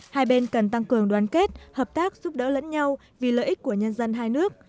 hai bên cần tăng cường đoàn kết hợp tác giúp đỡ lẫn nhau vì lợi ích của nhân dân hai nước